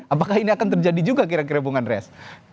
apakah ini akan terjadi juga kira kira bung andreas